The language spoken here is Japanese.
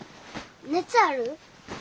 熱ある？